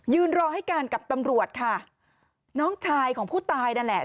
รอให้การกับตำรวจค่ะน้องชายของผู้ตายนั่นแหละ